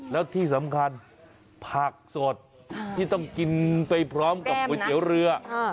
แล้วที่สำคัญผักสดที่ต้องกินไปพร้อมกับก๋วยเตี๋ยวเรือ